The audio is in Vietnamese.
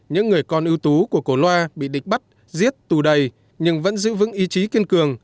những người con ưu tú của cổ loa bị địch bắt giết tù đầy nhưng vẫn giữ vững ý chí kiên cường